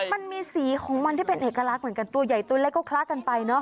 มันมีสีของมันที่เป็นเอกลักษณ์เหมือนกันตัวใหญ่ตัวเล็กก็คล้ากันไปเนอะ